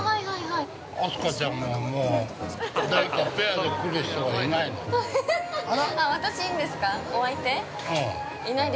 飛鳥ちゃんも、もう誰かペアで来る人はいないの？